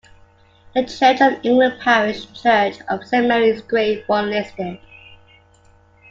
The Church of England parish church of Saint Mary is Grade One listed.